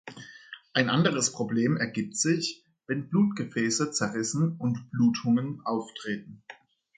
Ein anderes Problem ergibt sich, wenn Blutgefäße zerreißen und Blutungen auftreten.